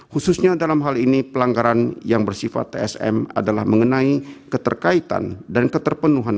khususnya dalam hal ini pelanggaran yang bersifat tsm adalah mengenai keterkaitan dan keterpenuhan